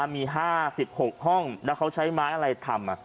มี๕๖ห้องแล้วเขาใช้ไม้อะไรทำ